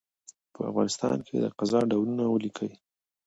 په افغانستان کي د قضاء ډولونه ولیکئ؟